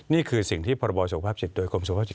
นี่คือสิ่งที่พศโดยกรมสุขภาพจิต